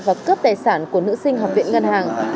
và cướp tài sản của nữ sinh học viện ngân hàng